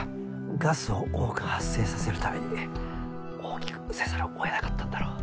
ガスを多く発生させるために大きくせざるを得なかったんだろう。